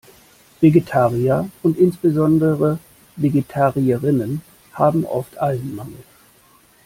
Vegetarier und insbesondere Vegetarierinnen haben oft Eisenmangel.